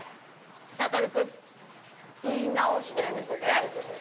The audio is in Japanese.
サトルくん言い直してみて。